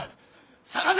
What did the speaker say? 捜せ！